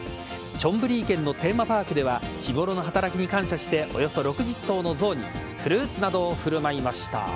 チョンブリー県のテーマパークでは日頃の働きに感謝して、およそ６０頭の象にフルーツなどを振る舞いました。